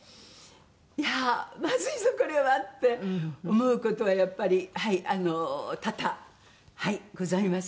いやまずいぞこれは！って思う事はやっぱりはいあの多々はいございます。